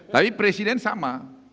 tapi presiden sama